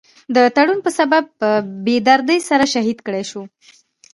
د تړون پۀ سبب پۀ بي دردۍ سره شهيد کړے شو ۔